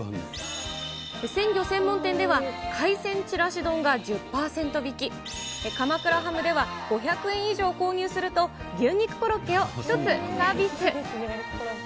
鮮魚専門店では海鮮ちらし丼が１０％引き、鎌倉ハムでは５００円以上購入すると、牛肉コロッケを１つサービス。